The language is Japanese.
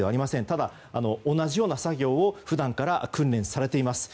ただ、同じような作業を普段から訓練されています。